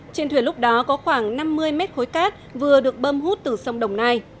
trên thuyền lúc đó có khoảng năm mươi mét khối cát vừa được bơm hút từ sông đồng nai